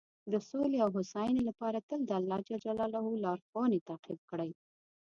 د سولې او هوساینې لپاره تل د الله لارښوونې تعقیب کړئ.